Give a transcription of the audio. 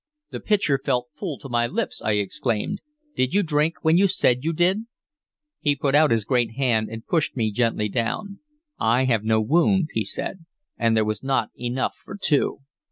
"The pitcher felt full to my lips!" I exclaimed. "Did you drink when you said you did?" He put out his great hand and pushed me gently down. "I have no wound," he said, "and there was not enough for two."